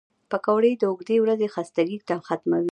پکورې د اوږدې ورځې خستګي ختموي